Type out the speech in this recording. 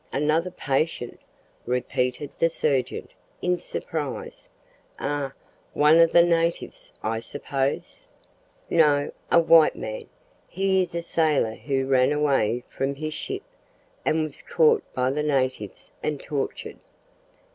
"Another patient?" repeated the surgeon, in surprise; "ah! one of the natives, I suppose?" "No, a white man. He is a sailor who ran away from his ship, and was caught by the natives and tortured."